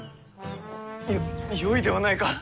よよいではないか。